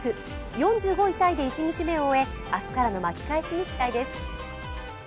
４５位タイで１日目を終え明日からの巻き返しに期待です。